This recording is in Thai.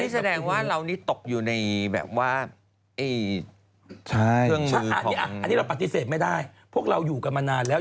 แสดงว่าเรานี่ตกอยู่ในแบบว่าอันนี้เราปฏิเสธไม่ได้พวกเราอยู่กันมานานแล้ว